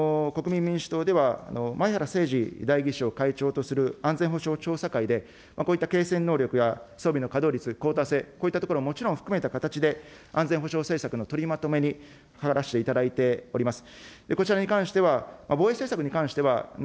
今、国民民主党では前原誠司代議士を会長とする安全保障調査会で、こういった継戦能力や装備の稼働率、クォーターせい、こういったところ、もちろん含めた形で、安全保障政策の取りまとめに入らせていただいております。